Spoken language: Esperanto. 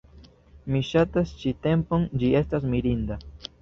Mi ŝatas ĉi tempon, ĝi estas mirinda...